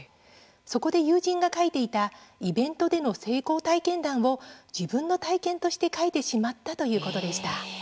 そこで友人が書いていたイベントでの成功体験談を自分の体験として書いてしまったということでした。